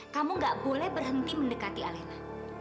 kamu gak boleh berhenti mendekati alena